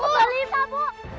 bu balikin pak